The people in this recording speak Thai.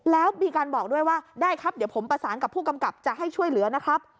แล้วมีการบอกด้วยว่าได้ครับเดี๋ยวผมประสานกับผู้กำกับจะให้ช่วยเหลือนะครับ